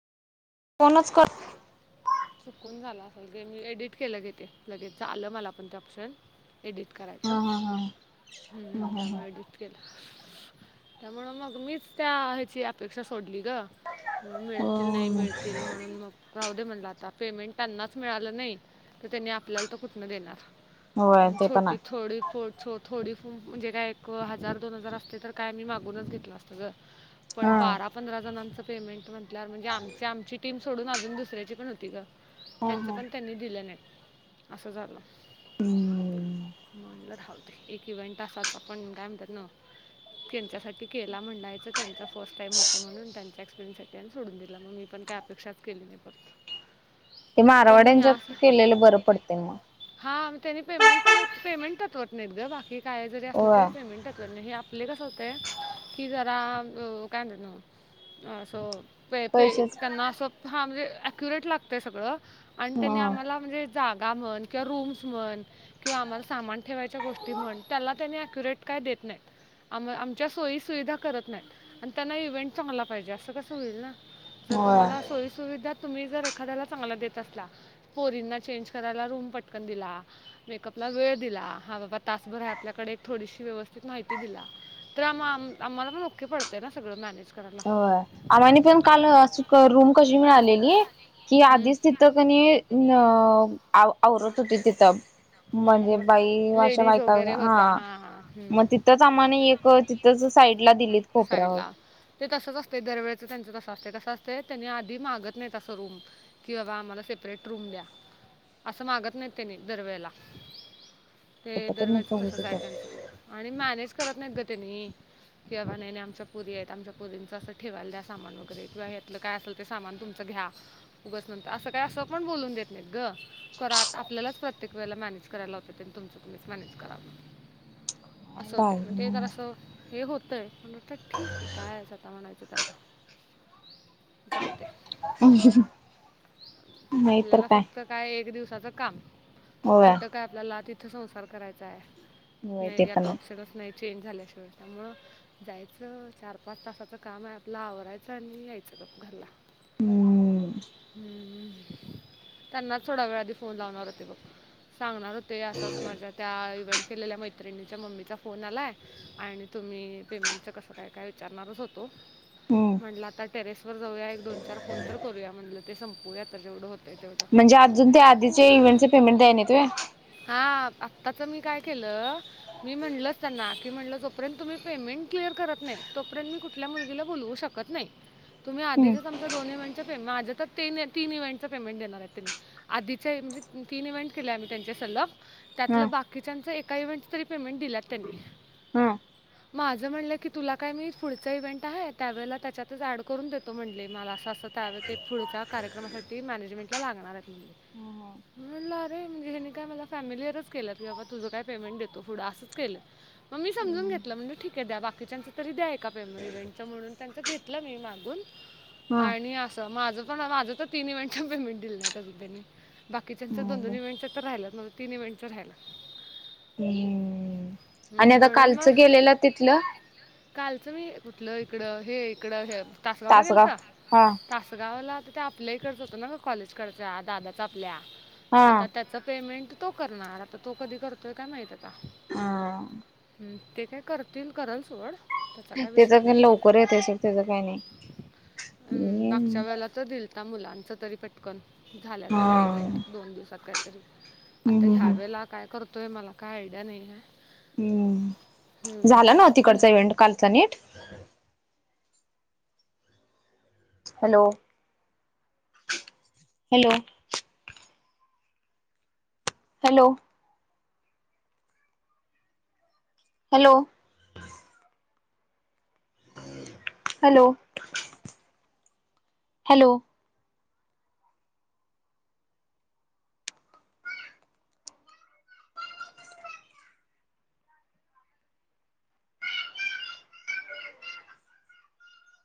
फोनच कर. [unintelligible] चुकून झालं असेल ग मी एडिट केलं लगेच आलं मला पण ते ऑप्शन. एडिट हा करायचं हा हा हा हा हा. त्यामुळे एडिट के त्यामुळ मग मीच त्या ह्याची अपेक्षा सोडली ग. मिळतील नाही हम्म मिळतील म्हणून मग राहू दे म्हणल आता पेमेंट त्यांनाच मिळालं नाही. तर त्यांनी आपल्याला तर कुठन देणार होय आणि ते पण छोटी आहे. थोडी पोट थोडी म्हणजे काय एक हजार दोन हजार असते तर काय मी मागूनच घेतल असते ग. पण हा बारा पंधरा जणांच पेमेंट म्हटल्यावर म्हणजे आप ते आमची टीम सोडून अजून दुसऱ्याची पण होती गं हा त्यांचं हा. पण त्यांनी दिलं नाहीत. असं झालं हम्म मग म्हणलं राहू दे. एक इव्हेंट असाचा पण काय म्हणतात न त्यांच्यासाठी केला म्हनायचं त्यांच्या फर्स्ट टाइम होतं म्हणून त्यांच्या एक्सपिरियन्ससाठी आम्ही सोडून दिला मग मी पण काय अपेक्षा केली नाही परत. ते पण मी मारवाड्यांच्यात असं केलेलं बरं पडत मग. हा त्यानी पेमेंट पेमेंट होत नाहीत ग बाकी काय जरी असलं तरी होय. पेमेंट तर हे आपले कसं काय की जरा काय म्हणते ना अस प पे पैसेच त्यांना असं हा म्हणजे अक्युरेट लागतय सगळं आणि त्यांनी हा. आम्हाला म्हणजे जागा म्हण किंवा रूम्स म्हण किंवा आम्हाला सामान ठेवायच्या गोष्टी म्हण त्याला त्यांनी अक्युरेट काय देत नाही. आम आमच्या सोयी सुविधा करत नाहीत आणि त्यांना इव्हेंट चांगला पाहिजे असं कस होईल ना. जर होय तुम्हाला सोई सुविधा तुम्ही जर एखाद्याला चांगल्या देत असला पोरींना चेंज करायला रूम पटकन दिला मेकअप ला वेळ दिला हा बाबा तासभर आहे आपल्याकडे एक थोडीशी व्यवस्थित माहिती दिला. तर आम-आम्हाला पण ओके पडतंय ना सगळं मॅनेज करायला. आम्हानि पण काल अशी रूम कशी मिळालेली की आधीच तिथं कणी आवरत होती तिथं म्हणजे हम्म बाई अशा लेडीज बायका वगैरे हा होत्या हां मग हां तिथंच आम्हाला एक तिथंच साईडला दिलीत कोपऱ्यावर साईडला ते तसंच असत दरवेळेच त्यांचं तसं असत. तसं असतय त्यांनी आधी मागत नाही असं रूम. कि बाबा आम्हाला सेपरेट रूम द्या असं मागत नाही त्यांनी दरवेळेला. ते कुठ तर दरवेळच नको तसच आहे त्यांचं आणि मॅनेज करत नाहीत ग त्यांनी. किं बाबा नाही नाही आमच्या पोरी आहेत. आमच्या पोरीचं असं ठेवायला द्या सामान वगैरे किंवा यातलं काय असेल. ते सामान तुमचं घ्या. उगच म्हणत असं काय असं पण बोलून देत नाही ग आपल्यालाच प्रत्येक वेळेला मॅनेज करायला लावतात ते तुमचं तुम्हीच मॅनेज करा. असं होतंय ते बाई जरासं हे होतंय. आता ठीक आहे कायचं आता म्हणायचं त्यांना. जाऊ दे नाही तर काय. तिथं काय एक दिवसाचं काम. होय कुठं काय आपल्याला तिथे संसार करायचा आहे होय ते नाही यात पण आहे ऑप्शनच नाही. चेंज झाल्याशिवाय त्यामुळ जायचं चार पाच तासाचं काम आहे आपला आवरायचं आणि यायचं ग घरला. हम्म हम्म त्यांनाच थोडा वेळ आधी फोन लावणार होते बघ. सांगणार होते असं असं माझ्या त्या इव्हेंट केलेल्या मैत्रिणीच्या मम्मीचा फोन आलाय. आणि तुम्ही पेमेंटच कसं काय काय विचारणारच होता हम्म म्हंटलं आता टेरेसवर जाऊया एक दोन चार फोन तर करूया म्हटलं. ते संपूया तर जेवढं होतय तेवढं. म्हणजे अजून ते आधीचे इवेंटचे पेमेंट द्याय नाहीत होय हा आत्ताच मी काय केलं मी म्हटलं त्यांना की म्हटलं जोपर्यंत तुम्ही पेमेंट क्लियर करत नाही तोपर्यंत मी कुठल्या मुलगीला बोलवू शकत नाही तुम्ही हम्म आधीचच आमच दोन इव्हेंट च पे माझतर तीन तीन इव्हेंट पेमेंट देणार आहेत त्यांनी आधीचे म्हणजे तीन इव्हेंट केले आम्ही त्यांचे सलग हा त्यातल बाकीच्यांच एका इव्हेंटच तरी पेमेंट दिल्यात त्यांनी हा माझं म्हणलं की तुला काय मी पुढच इव्हेंट हाय त्यावेळेला त्याच्यातच ऍड करून देतो म्हणले मला असं असं त्यावेळेस ते पुढच्या कार्यक्रमासाठी मॅनेजमेंटला लागणार आहेत मी म्हणलं अरे म्हणजे हे काय मला फॅमिलीअरच केल्यात की बाबा तुझं काय पेमेंट देतो पुढं असंच केलं मग मी समजून घेतलं म्हणलं ठीक आहे द्या बाकीच्याच तरी द्या एका इव्हेंटचं म्हणून त्यांच घेतलं मी मागून हा आणि असं माझं पण माझं तर तिन इव्हेंटच पेमेंट दिलं नाहीत अजून त्यांनी कितीनच दोन मग दोन तर राहिल्यात माझं तीन इव्हेंटचं राहिलं हू आणि हम्म, आता म्हणून कालच मग गेलेला तिथलं कालचं मी कुठलं इकडं हे इकडं हे तासगावला तासगाव गेलता हा तासगावला त्या आप आपल्याइकडच होतं ना का कॉलेज कडच्या दादाच आपल्या हा आता त्याच पेमेंट तो करणार आता तो कधी करतोय काय माहित आता हा हू ते काय करतील करल सोड त्याचा काय त्याच विषय नाही लवकर येतय सोड त्याच काय नाही अ हम्म मागच्या वेळेला तो दिलता मुलांचं तरी पटकन झाल्या हा झाल्या इव्हेंट हम्म दोन दिवसात कायतरी आता हम्म ह्या हम्म वेळेला काय करतोय मला काय आयडिया नाही हाय हू झाला ना पण तिकडचा इव्हेंट कालचा नीट hello hello hello hello hello hello